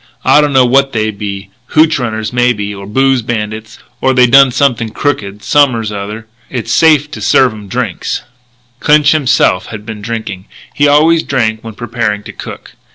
"I don't know what they be hootch runners maybe or booze bandits or they done something crooked som'ers r'other. It's safe to serve 'em drinks." Clinch himself had been drinking. He always drank when preparing to cook.